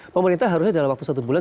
pemerintah harusnya dalam waktu satu bulan